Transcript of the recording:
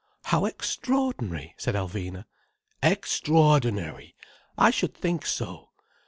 "How extraordinary!" said Alvina. "Extraordinary! I should think so.